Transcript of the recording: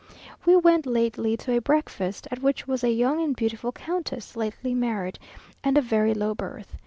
We went lately to a breakfast, at which was a young and beautiful countess, lately married, and of very low birth.